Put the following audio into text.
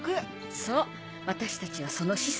そう私たちはその子孫。